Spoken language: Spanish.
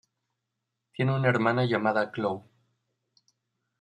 Tiene una hermana llamada Chloe.